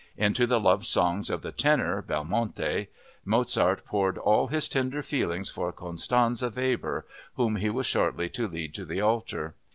Into the love songs of the tenor, Belmonte, Mozart poured all his tender feelings for Constanze Weber, whom he was shortly to lead to the altar.